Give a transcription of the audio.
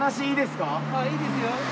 いいですよ。